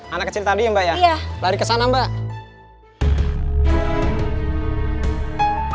anak kecil tadi ya mbak ya lari ke sana mbak